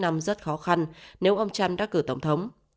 năm rất khó khăn nếu ông trump đắc cử tổng thống